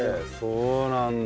そうなんだ。